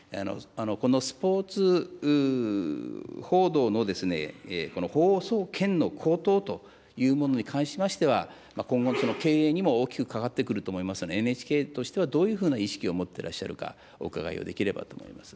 このスポーツ報道の放送権の高騰というものに関しましては、今後の経営にも大きく関わってくると思いますので、ＮＨＫとしては、どういうふうな意識を持ってらっしゃるか、お伺いをできればと思います。